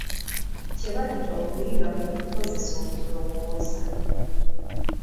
Kye bayita okuyiga kwe kukozesa okulowooza.